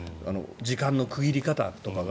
時間の区切り方とかが。